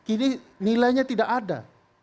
ini nilainya tidak ada